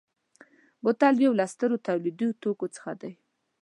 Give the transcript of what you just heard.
بوتل یو له سترو تولیدي توکو څخه دی.